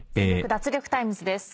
脱力タイムズ』です。